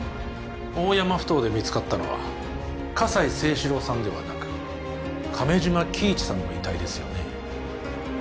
大山ふ頭で見つかったのは葛西征四郎さんではなく亀島喜一さんの遺体ですよね？